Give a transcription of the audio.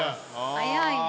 早いね。